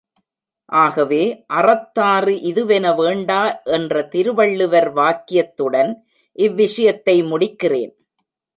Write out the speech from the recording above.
ஆகவே, அறத்தாறு இதுவென வேண்டா என்ற திருவள்ளுவர் வாக்கியத்துடன் இவ்விஷயத்தை முடிக்கிறேன்.